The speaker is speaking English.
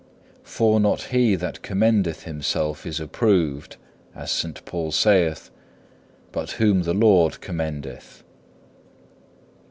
For not he that commendeth himself is approved, as St. Paul saith, but whom the Lord commendeth.